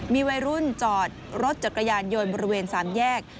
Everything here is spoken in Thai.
มีวัยรุ่นจอดรถจักรยานยนต์บริเวณ๓แยก